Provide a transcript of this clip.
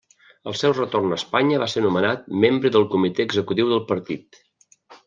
Al seu retorn a Espanya va ser nomenat membre del Comitè Executiu del Partit.